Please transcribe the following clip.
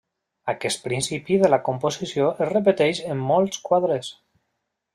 Aquest principi de la composició es repeteix en molts quadres.